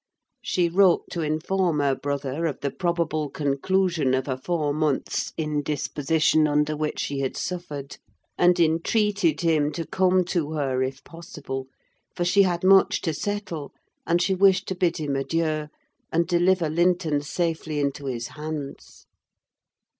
She wrote to inform her brother of the probable conclusion of a four months' indisposition under which she had suffered, and entreated him to come to her, if possible; for she had much to settle, and she wished to bid him adieu, and deliver Linton safely into his hands.